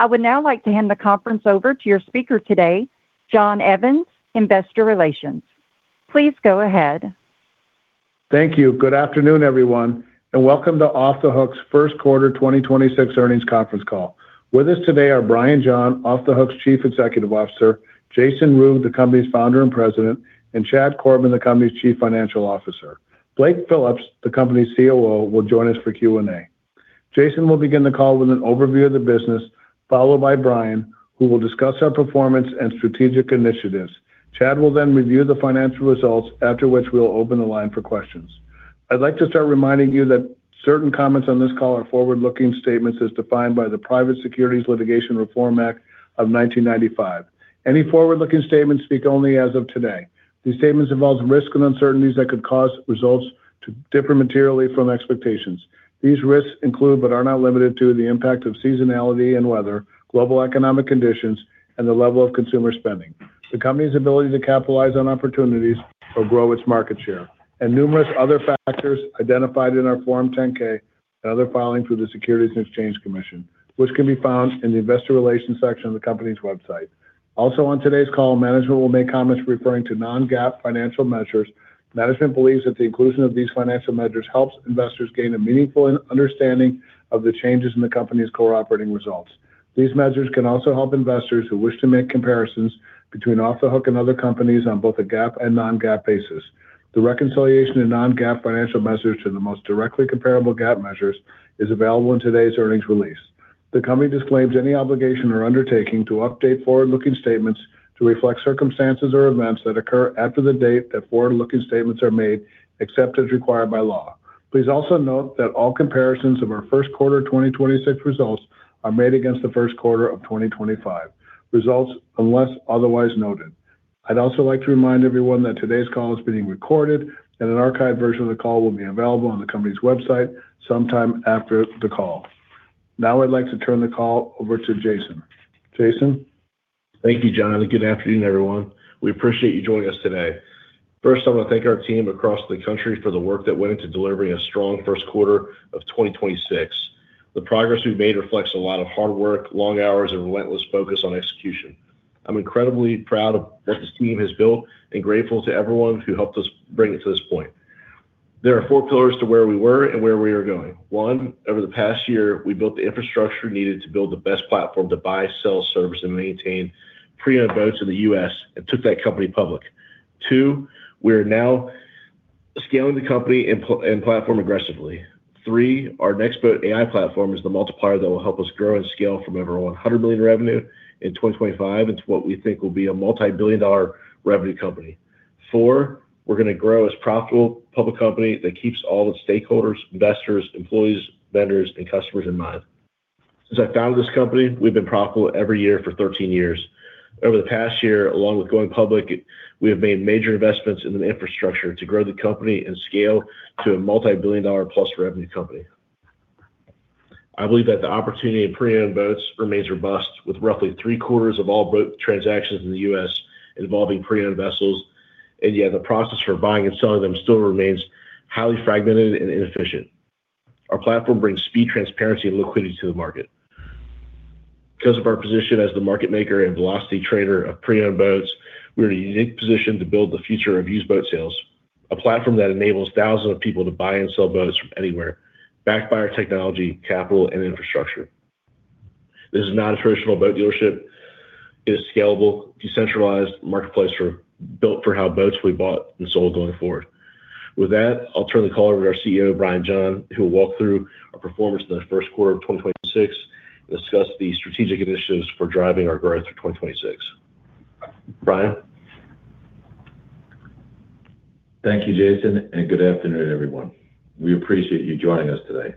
I would now like to hand the conference over to your speaker today, John Evans, Investor Relations. Please go ahead. Thank you. Good afternoon, everyone, and welcome to Off The Hook's first quarter 2026 earnings conference call. With us today are Brian John, Off The Hook's Chief Executive Officer, Jason Ruegg, the company's Founder and President, and Chad Corbin, the company's Chief Financial Officer. Blake Phillips, the company's COO, will join us for Q&A. Jason will begin the call with an overview of the business, followed by Brian, who will discuss our performance and strategic initiatives. Chad will review the financial results, after which we'll open the line for questions. I'd like to start reminding you that certain comments on this call are forward-looking statements as defined by the Private Securities Litigation Reform Act of 1995. Any forward-looking statements speak only as of today. These statements involve risks and uncertainties that could cause results to differ materially from expectations. These risks include, but are not limited to, the impact of seasonality and weather, global economic conditions, and the level of consumer spending, the company's ability to capitalize on opportunities or grow its market share, and numerous other factors identified in our Form 10-K and other filings with the Securities and Exchange Commission, which can be found in the investor relations section of the company's website. Also on today's call, management will make comments referring to non-GAAP financial measures. Management believes that the inclusion of these financial measures helps investors gain a meaningful understanding of the changes in the company's core operating results. These measures can also help investors who wish to make comparisons between Off The Hook and other companies on both a GAAP and non-GAAP basis. The reconciliation of non-GAAP financial measures to the most directly comparable GAAP measures is available in today's earnings release. The company disclaims any obligation or undertaking to update forward-looking statements to reflect circumstances or events that occur after the date that forward-looking statements are made, except as required by law. Please also note that all comparisons of our first quarter 2026 results are made against the first quarter of 2025 results, unless otherwise noted. I'd also like to remind everyone that today's call is being recorded, and an archived version of the call will be available on the company's website sometime after the call. I'd like to turn the call over to Jason. Jason? Thank you, John. Good afternoon, everyone. We appreciate you joining us today. First, I want to thank our team across the country for the work that went into delivering a strong first quarter of 2026. The progress we've made reflects a lot of hard work, long hours, and relentless focus on execution. I'm incredibly proud of what this team has built and grateful to everyone who helped us bring it to this point. There are four pillars to where we were and where we are going. One, over the past year, we built the infrastructure needed to build the best platform to buy, sell, service, and maintain pre-owned boats in the U.S. and took that company public. Two, we are now scaling the company and platform aggressively. Three, our NextBoat AI platform is the multiplier that will help us grow and scale from over $100 million revenue in 2025 into what we think will be a multi-billion dollar revenue company. Four, we're gonna grow as a profitable public company that keeps all the stakeholders, investors, employees, vendors, and customers in mind. Since I founded this company, we've been profitable every year for 13 years. Over the past year, along with going public, we have made major investments in the infrastructure to grow the company and scale to a multi-billion dollar plus revenue company. I believe that the opportunity in pre-owned boats remains robust, with roughly three-quarters of all boat transactions in the U.S. involving pre-owned vessels, and yet the process for buying and selling them still remains highly fragmented and inefficient. Our platform brings speed, transparency, and liquidity to the market. Because of our position as the market maker and velocity trader of pre-owned boats, we are in a unique position to build the future of used boat sales, a platform that enables thousands of people to buy and sell boats from anywhere, backed by our technology, capital, and infrastructure. This is not a traditional boat dealership. It is a scalable, decentralized marketplace built for how boats will be bought and sold going forward. With that, I'll turn the call over to our CEO, Brian John, who will walk through our performance in the first quarter of 2026 and discuss the strategic initiatives for driving our growth through 2026. Brian? Thank you, Jason, and good afternoon, everyone. We appreciate you joining us today.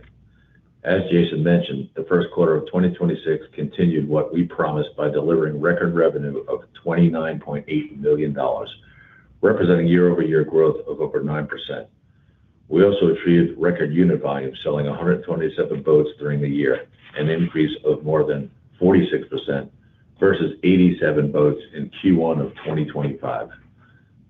As Jason mentioned, the first quarter of 2026 continued what we promised by delivering record revenue of $29.8 million, representing year-over-year growth of over 9%. We also achieved record unit volume, selling 127 boats during the year, an increase of more than 46% versus 87 boats in Q1 of 2025.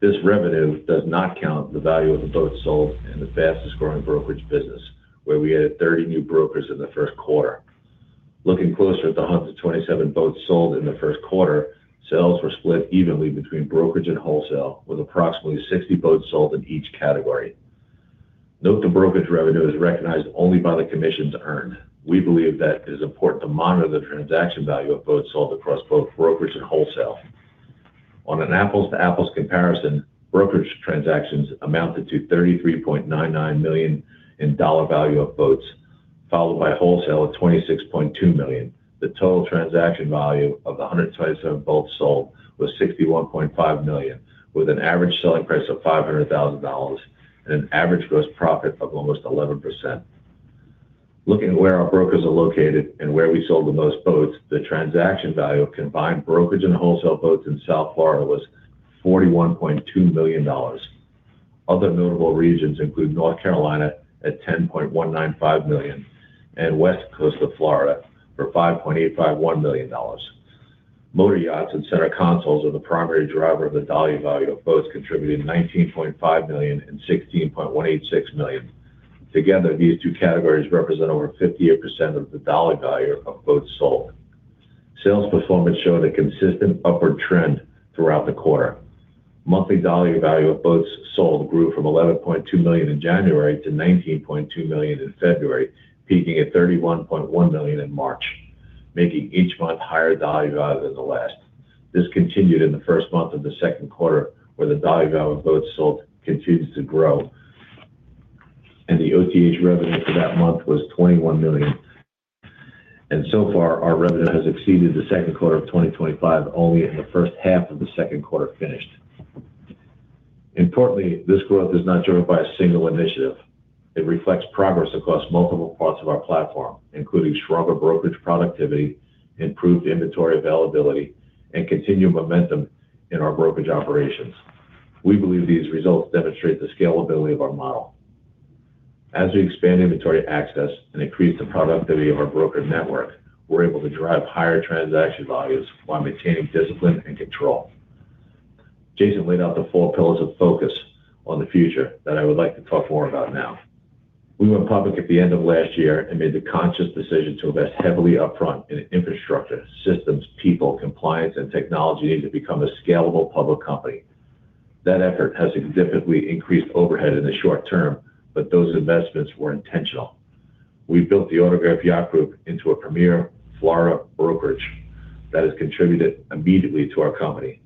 This revenue does not count the value of the boats sold in the fastest-growing brokerage business, where we added 30 new brokers in the first quarter. Looking closer at the 127 boats sold in the first quarter, sales were split evenly between brokerage and wholesale, with approximately 60 boats sold in each category. Note that brokerage revenue is recognized only by the commissions earned. We believe that it is important to monitor the transaction value of boats sold across both brokerage and wholesale. On an apples-to-apples comparison, brokerage transactions amounted to $33.99 million in dollar value of boats, followed by wholesale at $26.2 million. The total transaction value of the 127 boats sold was $61.5 million, with an average selling price of $500,000 and an average gross profit of almost 11%. Looking at where our brokers are located and where we sold the most boats, the transaction value of combined brokerage and wholesale boats in South Florida was $41.2 million. Other notable regions include North Carolina at $10.195 million and West Coast of Florida for $5.851 million. Motor yachts and center consoles are the primary driver of the dollar value of boats, contributing $19.5 million and $16.186 million. Together, these two categories represent over 58% of the dollar value of boats sold. Sales performance showed a consistent upward trend throughout the quarter. Monthly dollar value of boats sold grew from $11.2 million in January to $19.2 million in February, peaking at $31.1 million in March, making each month higher dollar value than the last. This continued in the first month of the second quarter, where the dollar value of boats sold continued to grow, and the OTH revenue for that month was $21 million. So far, our revenue has exceeded the second quarter of 2025 only in the first half of the second quarter finished. Importantly, this growth is not driven by a single initiative. It reflects progress across multiple parts of our platform, including stronger brokerage productivity, improved inventory availability, and continued momentum in our brokerage operations. We believe these results demonstrate the scalability of our model. As we expand inventory access and increase the productivity of our brokerage network, we're able to drive higher transaction values while maintaining discipline and control. Jason laid out the four pillars of focus on the future that I would like to talk more about now. We went public at the end of last year and made the conscious decision to invest heavily up front in infrastructure, systems, people, compliance, and technology to become a scalable public company. That effort has significantly increased overhead in the short term. Those investments were intentional. We built the Autograph Yacht Group into a premier Florida brokerage that has contributed immediately to our company.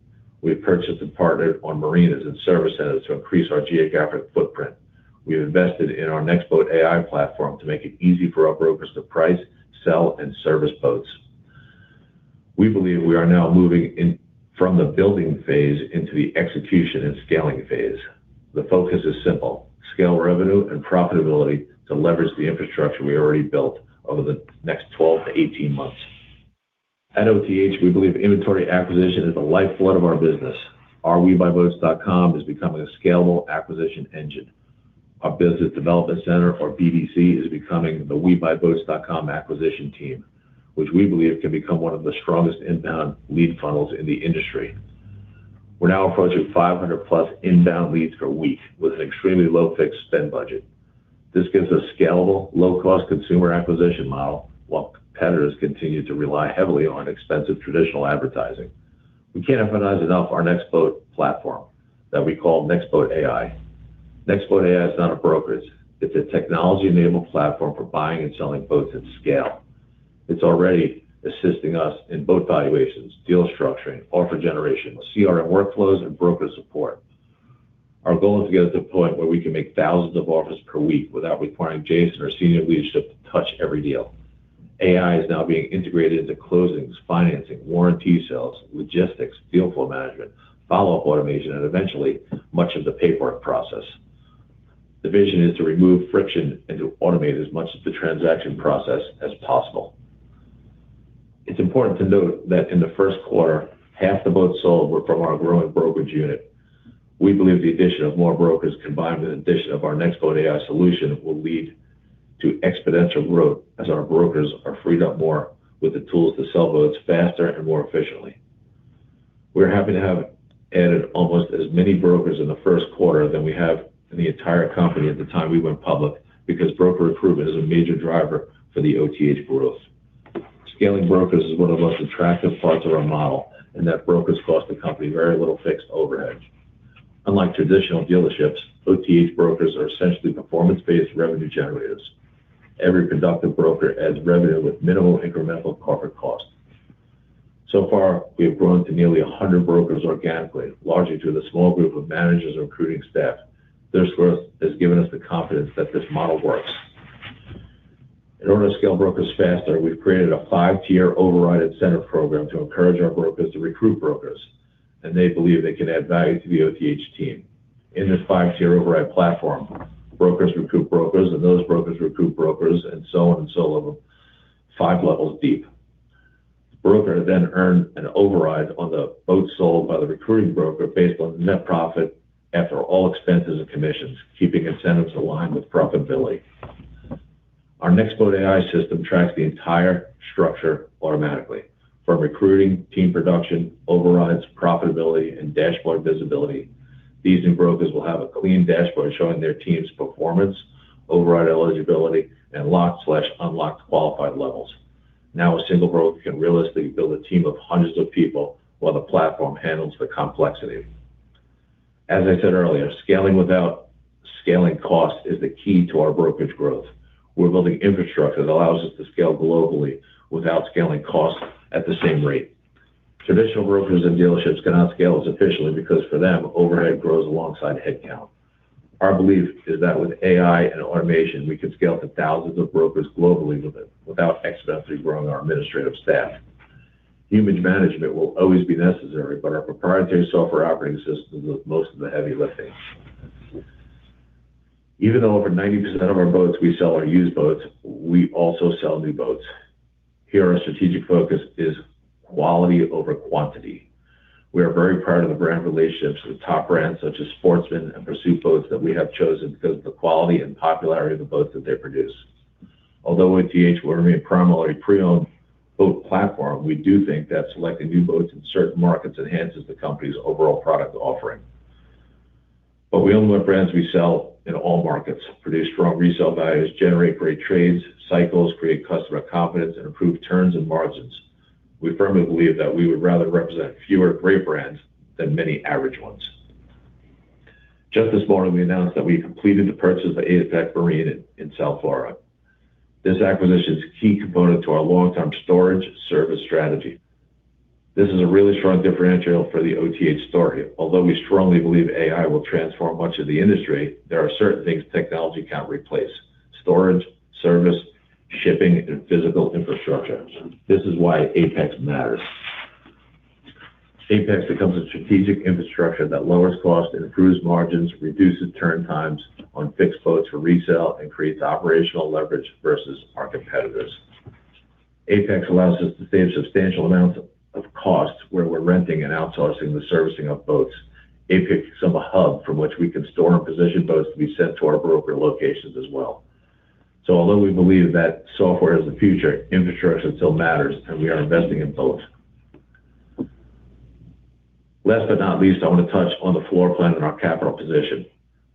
We have purchased and partnered on marinas and service centers to increase our geographic footprint. We have invested in our NextBoat AI platform to make it easy for our brokers to price, sell, and service boats. We believe we are now moving in from the building phase into the execution and scaling phase. The focus is simple, scale revenue and profitability to leverage the infrastructure we already built over the next 12 to 18 months. At OTH, we believe inventory acquisition is the lifeblood of our business. Our WeBuyBoats.com is becoming a scalable acquisition engine. Our Business Development Center, or BDC, is becoming the WeBuyBoats.com acquisition team, which we believe can become one of the strongest inbound lead funnels in the industry. We're now approaching 500+ inbound leads per week with an extremely low fixed spend budget. This gives us scalable, low-cost consumer acquisition model while competitors continue to rely heavily on expensive traditional advertising. We can't emphasize enough our NextBoat platform that we call NextBoat AI. NextBoat AI is not a brokerage. It's a technology-enabled platform for buying and selling boats at scale. It's already assisting us in boat valuations, deal structuring, offer generation, CRM workflows, and brokerage support. Our goal is to get to a point where we can make thousands of offers per week without requiring Jason or senior leadership to touch every deal. AI is now being integrated into closings, financing, warranty sales, logistics, deal flow management, follow-up automation, and eventually much of the paperwork process. The vision is to remove friction and to automate as much of the transaction process as possible. It is important to note that in the first quarter, half the boats sold were from our growing brokerage unit. We believe the addition of more brokers combined with the addition of our NextBoat AI solution will lead to exponential growth as our brokers are freed up more with the tools to sell boats faster and more efficiently. We are happy to have added almost as many brokers in the first quarter than we have in the entire company at the time we went public because broker recruitment is a major driver for the OTH growth. Scaling brokers is one of the most attractive parts of our model in that brokers cost the company very little fixed overhead. Unlike traditional dealerships, OTH brokers are essentially performance-based revenue generators. Every contracted broker adds revenue with minimal incremental corporate cost. So far, we have grown to nearly 100 brokers organically, largely through the small group of managers and recruiting staff. This growth has given us the confidence that this model works. In order to scale brokers faster, we've created a five-tier override incentive program to encourage our brokers to recruit brokers, and they believe they can add value to the OTH team. In this five-tier override platform, brokers recruit brokers, and those brokers recruit brokers, and so on and so on, five levels deep. The broker then earns an override on the boats sold by the recruiting broker based on net profit after all expenses and commissions, keeping incentives aligned with profitability. Our NextBoat AI system tracks the entire structure automatically. From recruiting, team production, overrides, profitability, and dashboard visibility, these new brokers will have a clean dashboard showing their team's performance, override eligibility, and lock/unlock qualified levels. Now, a single broker can realistically build a team of hundreds of people while the platform handles the complexity. As I said earlier, scaling without scaling cost is the key to our brokerage growth. We're building infrastructure that allows us to scale globally without scaling costs at the same rate. Traditional brokers and dealerships cannot scale as efficiently because for them, overhead grows alongside headcount. Our belief is that with AI and automation, we can scale to thousands of brokers globally without accidentally growing our administrative staff. Human management will always be necessary. Our proprietary software operating system does most of the heavy lifting. Even though over 90% of our boats we sell are used boats, we also sell new boats. Here, our strategic focus is quality over quantity. We are very proud of the brand relationships with top brands such as Sportsman and Pursuit Boats that we have chosen because of the quality and popularity of the boats that they produce. Although OTH will remain primarily pre-owned boat platform, we do think that selecting new boats in certain markets enhances the company's overall product offering. We only want brands we sell in all markets, produce strong resale values, generate great trades cycles, create customer confidence, and improve turns and margins. We firmly believe that we would rather represent fewer great brands than many average ones. Just this morning, we announced that we completed the purchase of Apex Marine in South Florida. This acquisition is a key component to our long-term storage service strategy. This is a really strong differential for the OTH story. Although we strongly believe AI will transform much of the industry, there are certain things technology can't replace. Storage, service, shipping, and physical infrastructure. This is why Apex matters. Apex becomes a strategic infrastructure that lowers cost and improves margins, reduces turn times on fixed boats for resale, and creates operational leverage versus our competitors. Apex allows us to save substantial amounts of costs where we're renting and outsourcing the servicing of boats. Apex is a hub from which we can store and position boats to be sent to our broker locations as well. Although we believe that software is the future, infrastructure still matters, and we are investing in both. Last but not least, I want to touch on the floor plan and our capital position.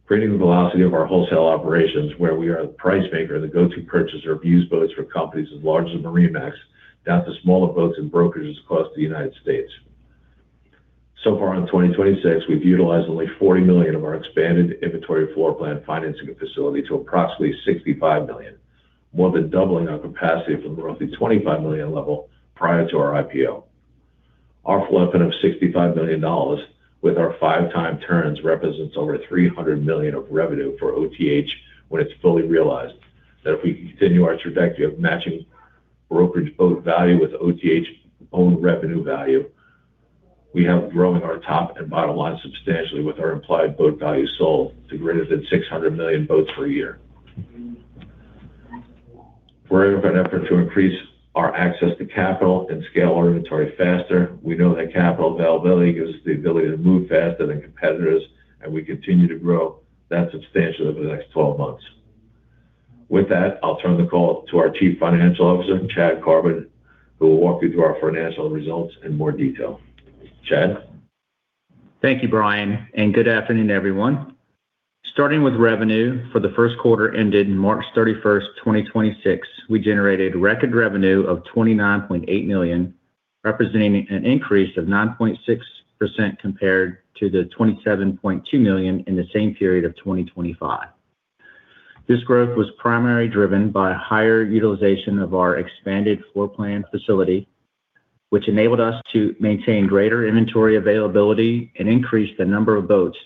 Creating the velocity of our wholesale operations where we are the price maker, the go-to purchaser of used boats for companies as large as MarineMax, down to smaller boats and brokers across the United States. So far in 2026, we've utilized only $40 million of our expanded inventory floor plan financing facility to approximately $65 million, more than doubling our capacity from the roughly $25 million level prior to our IPO. Our floor plan of $65 million with our five-time turns represents over $300 million of revenue for OTH when it's fully realized. If we continue our trajectory of matching brokerage boat value with OTH owned revenue value, we have growing our top and bottom line substantially with our implied boat value sold to greater than $600 million boats per year. We're in an effort to increase our access to capital and scale our inventory faster. We know that capital availability gives us the ability to move faster than competitors, and we continue to grow that substantially over the next 12 months. With that, I'll turn the call to our Chief Financial Officer, Chad Corbin, who will walk you through our financial results in more detail. Chad? Thank you, Brian. Good afternoon, everyone. Starting with revenue for the first quarter ended March 31st, 2026, we generated record revenue of $29.8 million, representing an increase of 9.6% compared to the $27.2 million in the same period of 2025. This growth was primarily driven by higher utilization of our expanded floor plan facility, which enabled us to maintain greater inventory availability and increase the number of boats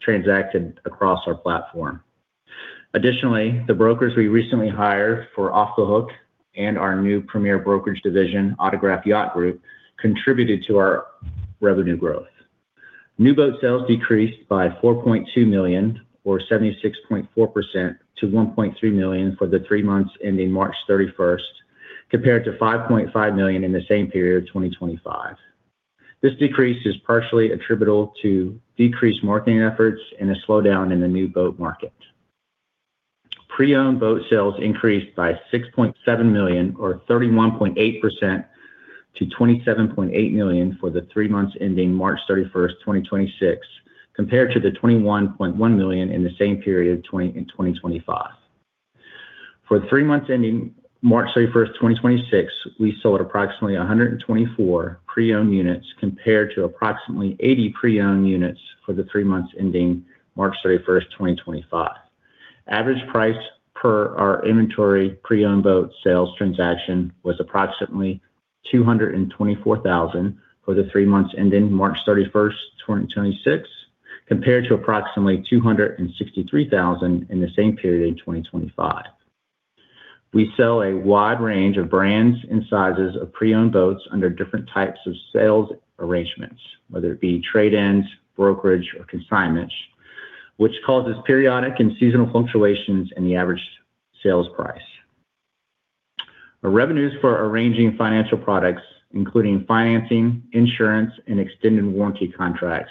transacted across our platform. Additionally, the brokers we recently hired for Off The Hook and our new premier brokerage division, Autograph Yacht Group, contributed to our revenue growth. New boat sales decreased by $4.2 million or 76.4% to $1.3 million for the three months ending March 31st compared to $5.5 million in the same period, 2025. This decrease is partially attributable to decreased marketing efforts and a slowdown in the new boat market. Pre-owned boat sales increased by $6.7 million or 31.8% to $27.8 million for the three months ending March 31st, 2026, compared to the $21.1 million in the same period in 2025. For the three months ending March 31st, 2026, we sold approximately 124 pre-owned units compared to approximately 80 pre-owned units for the three months ending March 31, 2025. Average price per our inventory pre-owned boat sales transaction was approximately $224,000 for the three months ending March 31st, 2026, compared to approximately $263,000 in the same period in 2025. We sell a wide range of brands and sizes of pre-owned boats under different types of sales arrangements, whether it be trade-ins, brokerage, or consignment, which causes periodic and seasonal fluctuations in the average sales price. Our revenues for arranging financial products, including financing, insurance, and extended warranty contracts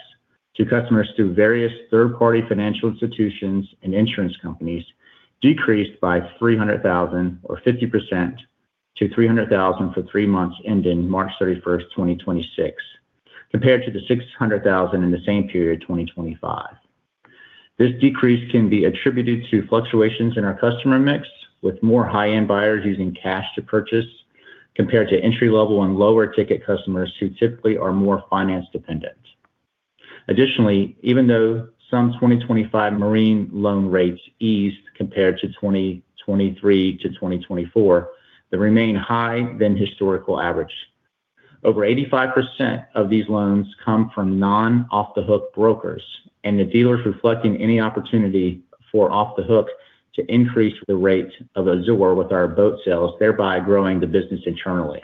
to customers through various third-party financial institutions and insurance companies decreased by $300,000 or 50% to $300,000 for three months ending March 31st, 2026, compared to the $600,000 in the same period, 2025. This decrease can be attributed to fluctuations in our customer mix, with more high-end buyers using cash to purchase compared to entry-level and lower-ticket customers who typically are more finance-dependent. Additionally, even though some 2025 marine loan rates eased compared to 2023 to 2024, they remain high than historical average. Over 85% of these loans come from non-Off The Hook brokers and the dealers reflecting any opportunity for Off The Hook to increase the rate of attachment with our boat sales, thereby growing the business internally.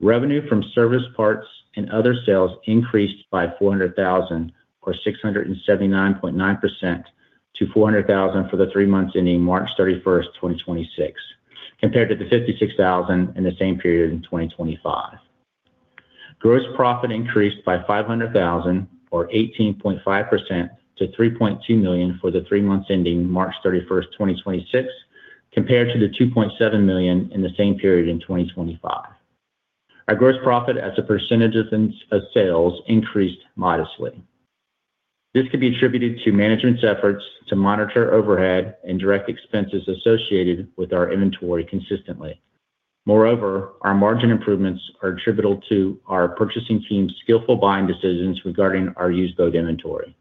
Revenue from service parts and other sales increased by $400,000 or 679.9% to $400,000 for the three months ending March 31st, 2026, compared to the $56,000 in the same period in 2025. Gross profit increased by $500,000 or 18.5% to $3.2 million for the three months ending March 31st, 2026, compared to the $2.7 million in the same period in 2025. Our gross profit as a percentage of sales increased modestly. This could be attributed to management's efforts to monitor overhead and direct expenses associated with our inventory consistently. Moreover, our margin improvements are attributable to our purchasing team's skillful buying decisions regarding our used boat inventory.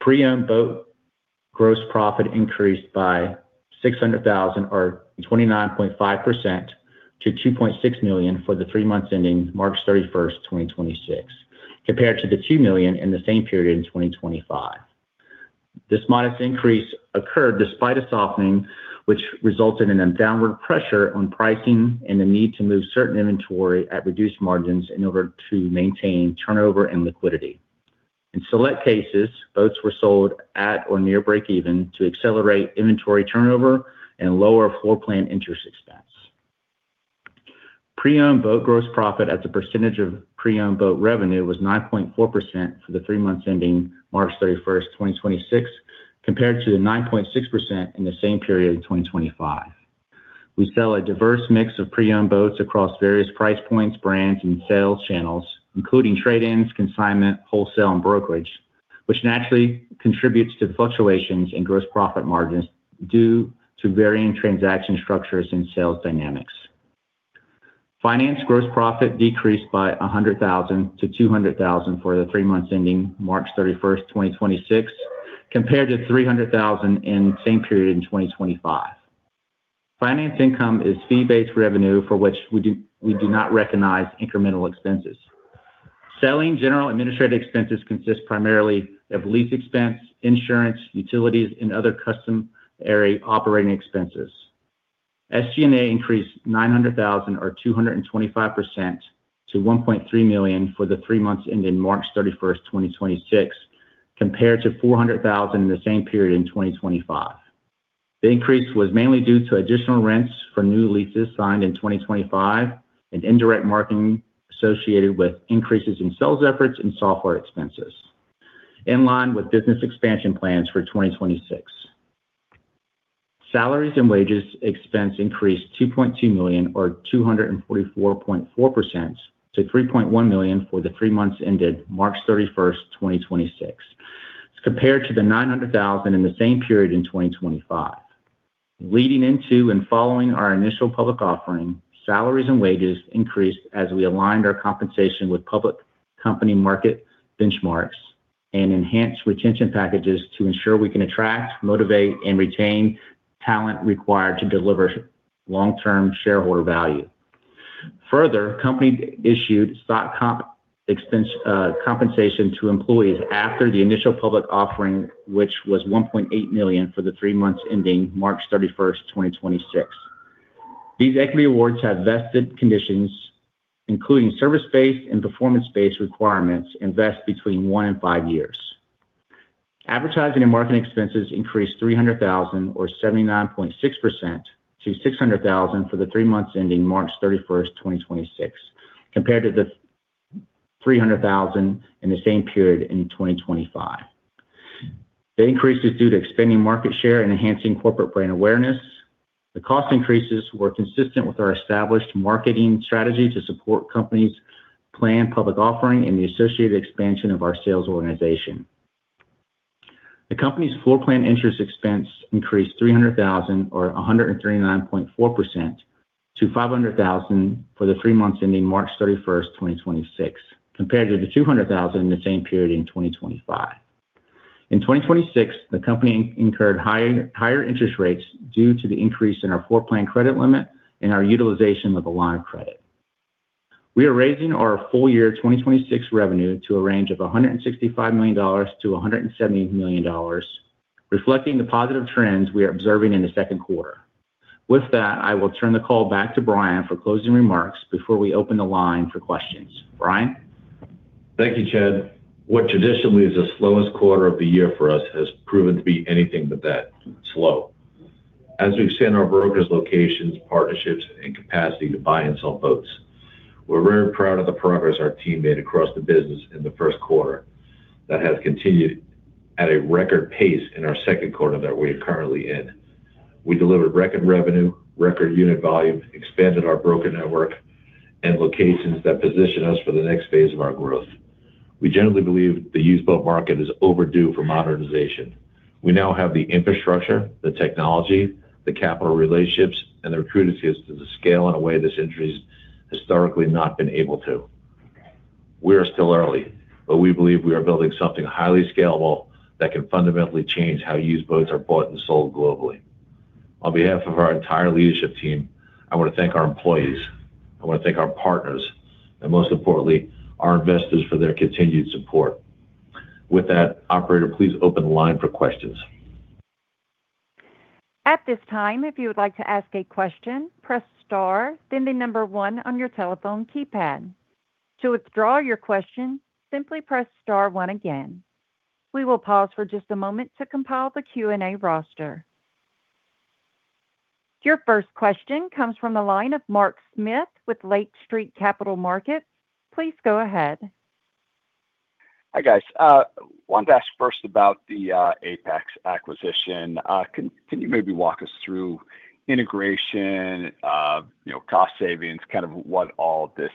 Pre-owned boat gross profit increased by $600,000 or 29.5% to $2.6 million for the three months ending March 31st, 2026, compared to the $2 million in the same period in 2025. This modest increase occurred despite a softening, which resulted in a downward pressure on pricing and the need to move certain inventory at reduced margins in order to maintain turnover and liquidity. In select cases, boats were sold at or near breakeven to accelerate inventory turnover and lower floor plan interest expense. Pre-owned boat gross profit as a percentage of pre-owned boat revenue was 9.4% for the three months ending March 31st, 2026, compared to the 9.6% in the same period in 2025. We sell a diverse mix of pre-owned boats across various price points, brands, and sales channels, including trade-ins, consignment, wholesale, and brokerage, which naturally contributes to the fluctuations in gross profit margins due to varying transaction structures and sales dynamics. Finance gross profit decreased by $100,000 to $200,000 for the three months ending March 31st, 2026, compared to $300,000 in the same period in 2025. Finance income is fee-based revenue for which we do not recognize incremental expenses. Selling, general and administrative expenses consist primarily of lease expense, insurance, utilities, and other customary operating expenses. SG&A increased $900,000 or 225% to $1.3 million for the three months ending March 31st, 2026, compared to $400,000 in the same period in 2025. The increase was mainly due to additional rents for new leases signed in 2025 and indirect marketing associated with increases in sales efforts and software expenses in line with business expansion plans for 2026. Salaries and wages expense increased $2.2 million or 244.4% to $3.1 million for the three months ended March 31st, 2026, compared to the $900,000 in the same period in 2025. Leading into and following our initial public offering, salaries and wages increased as we aligned our compensation with public company market benchmarks and enhanced retention packages to ensure we can attract, motivate, and retain talent required to deliver long-term shareholder value. Company issued stock compensation expense compensation to employees after the initial public offering, which was $1.8 million for the three months ending March 31st, 2026. These equity awards have vested conditions, including service-based and performance-based requirements, and vest between one and five years. Advertising and marketing expenses increased $300,000 or 79.6% to $600,000 for the three months ending March 31st, 2026, compared to the $300,000 in the same period in 2025. The increase is due to expanding market share and enhancing corporate brand awareness. The cost increases were consistent with our established marketing strategy to support company's planned public offering and the associated expansion of our sales organization. The company's floor plan interest expense increased $300,000 or 139.4% to $500,000 for the three months ending March 31st, 2026, compared to the $200,000 in the same period in 2025. In 2026, the company incurred higher interest rates due to the increase in our floor plan credit limit and our utilization of the line of credit. We are raising our full year 2026 revenue to a range of $165 million-$170 million, reflecting the positive trends we are observing in the second quarter. With that, I will turn the call back to Brian for closing remarks before we open the line for questions. Brian? Thank you, Chad. What traditionally is the slowest quarter of the year for us has proven to be anything but that, slow. As we've expanded our broker's locations, partnerships, and capacity to buy and sell boats, we're very proud of the progress our team made across the business in the first quarter that has continued at a record pace in our second quarter that we are currently in. We delivered record revenue, record unit volume, expanded our broker network and locations that position us for the next phase of our growth. We generally believe the used boat market is overdue for modernization. We now have the infrastructure, the technology, the capital relationships, and the recruiters to scale in a way this industry's historically not been able to. We are still early, but we believe we are building something highly scalable that can fundamentally change how used boats are bought and sold globally. On behalf of our entire leadership team, I want to thank our employees, I want to thank our partners, and most importantly, our investors for their continued support. With that, operator, please open the line for questions. At this time, if you would like to ask a question, press star, then the number one on your telephone keypad. To withdraw your question, simply press star one again. We will pause for just a moment to compile the Q&A roster. Your first question comes from the line of Mark Smith with Lake Street Capital Markets. Please go ahead. Hi, guys. Wanted to ask first about the Apex acquisition. Can you maybe walk us through integration, you know, cost savings, kind of what all this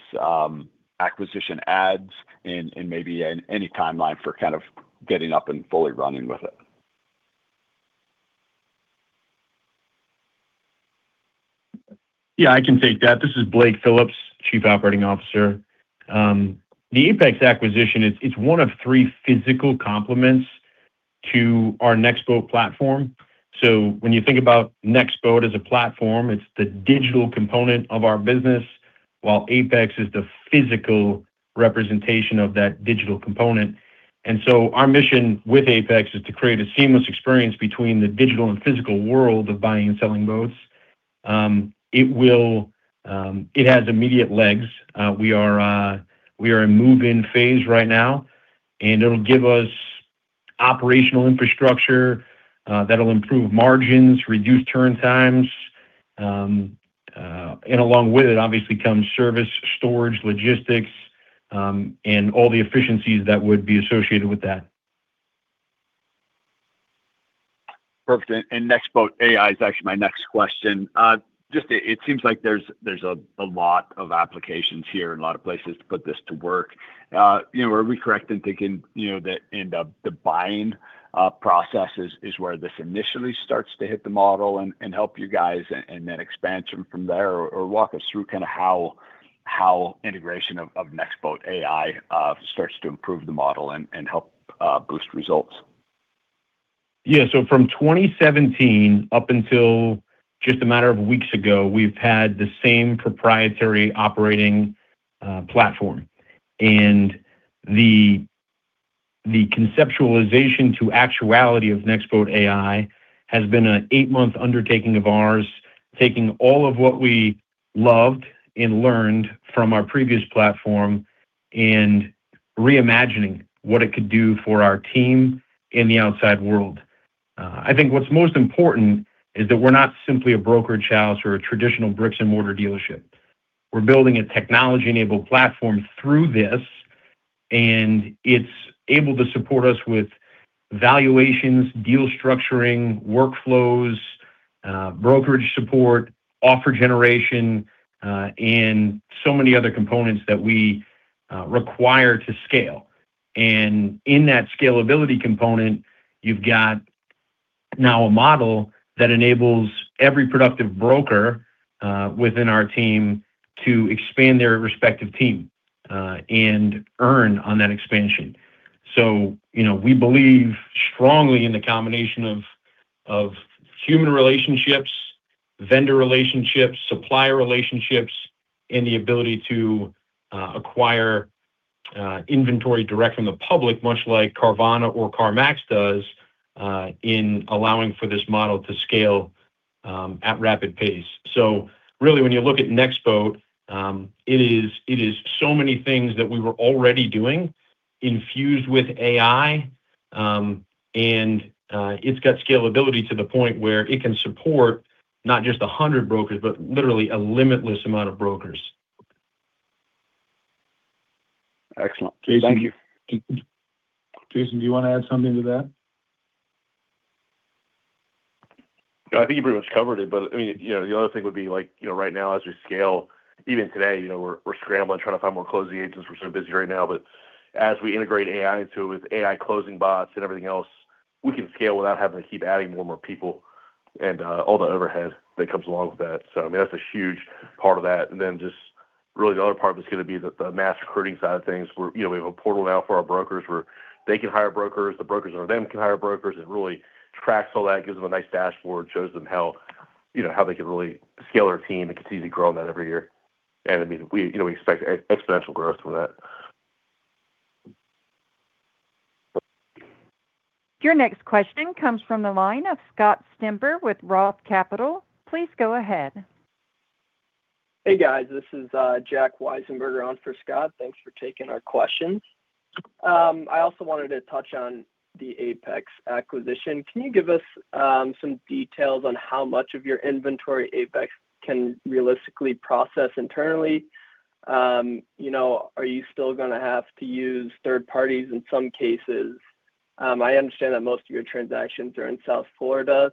acquisition adds and maybe any timeline for kind of getting up and fully running with it? Yeah, I can take that. This is Blake Phillips, Chief Operating Officer. The Apex acquisition, it's one of three physical complements to our NextBoat platform. When you think about NextBoat as a platform, it's the digital component of our business, while Apex is the physical representation of that digital component. Our mission with Apex is to create a seamless experience between the digital and physical world of buying and selling boats. It has immediate legs. We are in move-in phase right now, it'll give us operational infrastructure that'll improve margins, reduce turn times. Along with it obviously comes service, storage, logistics, and all the efficiencies that would be associated with that. Perfect. NextBoat AI is actually my next question. It seems like there's a lot of applications here and a lot of places to put this to work. You know, are we correct in thinking, you know, that in the buying process is where this initially starts to hit the model and help you guys and then expansion from there? Walk us through kind of how integration of NextBoat AI starts to improve the model and help boost results. Yeah. From 2017 up until just a matter of weeks ago, we've had the same proprietary operating platform. The conceptualization to actuality of NextBoat AI has been an eight-month undertaking of ours, taking all of what we loved and learned from our previous platform and reimagining what it could do for our team in the outside world. I think what's most important is that we're not simply a brokerage house or a traditional bricks-and-mortar dealership. We're building a technology-enabled platform through this, and it's able to support us with valuations, deal structuring, workflows, brokerage support, offer generation, and so many other components that we require to scale. In that scalability component, you've got now a model that enables every productive broker within our team to expand their respective team and earn on that expansion. We believe strongly in the combination of human relationships, vendor relationships, supplier relationships, and the ability to acquire inventory direct from the public, much like Carvana or CarMax does, in allowing for this model to scale at rapid pace. Really when you look at Next Boat, it is so many things that we were already doing infused with AI, and it's got scalability to the point where it can support not just 100 brokers, but literally a limitless amount of brokers. Excellent. Thank you. Jason. Jason, do you want to add something to that? I think you pretty much covered it. I mean, you know, the other thing would be like, you know, right now as we scale, even today, you know, we're scrambling trying to find more closing agents. We're so busy right now. As we integrate AI into it with AI closing bots and everything else, we can scale without having to keep adding more and more people and all the overhead that comes along with that. I mean, that's a huge part of that. Just really the other part of it's gonna be the mass recruiting side of things where, you know, we have a portal now for our brokers where they can hire brokers, the brokers under them can hire brokers. It really tracks all that, gives them a nice dashboard, shows them how, you know, how they can really scale their team and continue to grow in that every year. I mean, we, you know, we expect exponential growth from that. Your next question comes from the line of Scott Stember with Roth Capital. Please go ahead. Hey, guys. This is Jack Weisenberger on for Scott. Thanks for taking our questions. I also wanted to touch on the Apex acquisition. Can you give us some details on how much of your inventory Apex can realistically process internally? You know, are you still gonna have to use third parties in some cases? I understand that most of your transactions are in South Florida,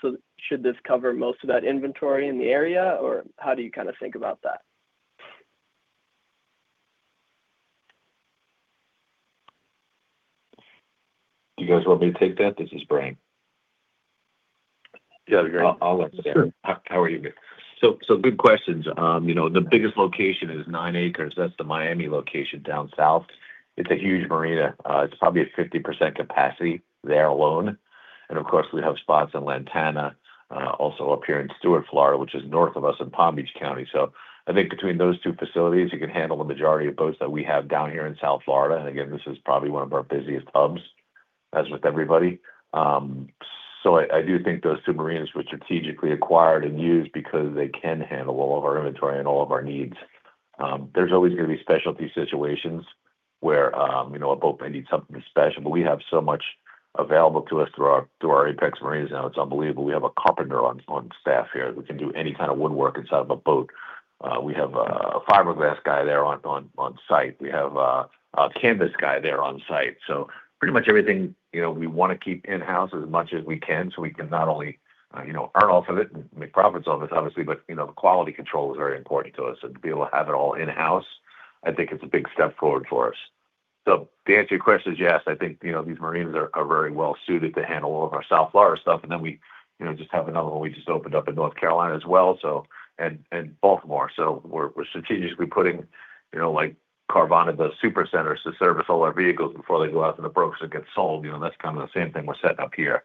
so should this cover most of that inventory in the area, or how do you kind of think about that? Do you guys want me to take that? This is Brian. Sure. How are you, man? Good questions. you know, the biggest location is 9 acres. That's the Miami location down south. It's a huge marina. it's probably at 50% capacity there alone. Of course, we have spots in Lantana. also up here in Stuart, Florida, which is north of us in Palm Beach County. I think between those two facilities, you can handle the majority of boats that we have down here in South Florida. Again, this is probably one of our busiest hubs, as with everybody. I do think those two marinas were strategically acquired and used because they can handle all of our inventory and all of our needs. There's always gonna be specialty situations where, you know, a boat may need something special, but we have so much available to us through our Apex Marine now, it's unbelievable. We have a carpenter on staff here who can do any kind of woodwork inside of a boat. We have a fiberglass guy there on site. We have a canvas guy there on site. Pretty much everything, you know, we wanna keep in-house as much as we can so we can not only, you know, earn off of it and make profits off it, obviously, but, you know, the quality control is very important to us. To be able to have it all in-house, I think it's a big step forward for us. To answer your question, yes, I think, you know, these marines are very well suited to handle all of our South Florida stuff. We, you know, just have another one we just opened up in North Carolina as well, and Baltimore. We're strategically putting, you know, like Carvana does super centers to service all our vehicles before they go out to the brokers and get sold. You know, that's kind of the same thing we're setting up here.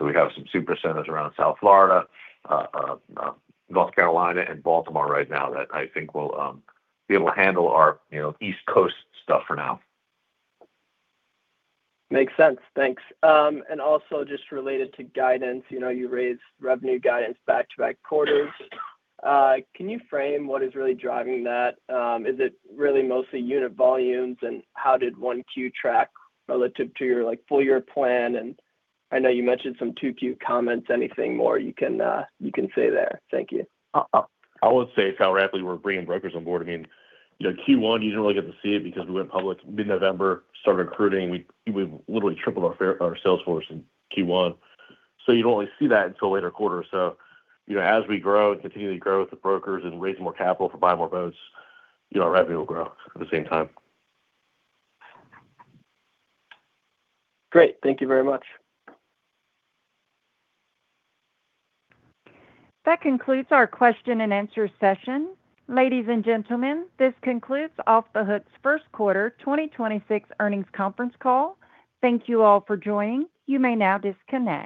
We have some super centers around South Florida, North Carolina and Baltimore right now that I think will be able to handle our, you know, East Coast stuff for now. Makes sense. Thanks. Also just related to guidance, you know, you raised revenue guidance back to back quarters. Can you frame what is really driving that? Is it really mostly unit volumes? How did 1Q track relative to your, like, full year plan? I know you mentioned some 2Q comments. Anything more you can say there? Thank you. I would say if how rapidly we're bringing brokers on board. I mean, you know, Q1, you didn't really get to see it because we went public mid-November, started recruiting. We've literally tripled our sales force in Q1. You'd only see that until later quarter. You know, as we grow and continue to grow with the brokers and raise more capital for buying more boats, you know, our revenue will grow at the same time. Great. Thank you very much. That concludes our question-and-answer session. Ladies and gentlemen, this concludes Off The Hook's first quarter 2026 earnings conference call. Thank you all for joining. You may now disconnect.